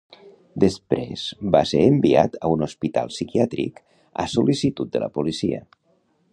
Després va ser enviat a un hospital psiquiàtric a sol·licitud de la policia.